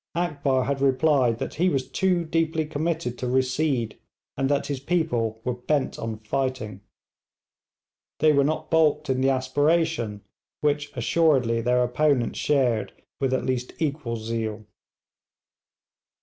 Akbar had replied that he was too deeply committed to recede, and that his people were bent on fighting. They were not baulked in the aspiration, which assuredly their opponents shared with at least equal zeal.